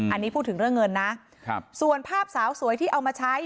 อันนี้พูดถึงเรื่องเงินนะครับส่วนภาพสาวสวยที่เอามาใช้